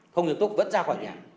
không nghiêm túc vẫn ra khỏi nhà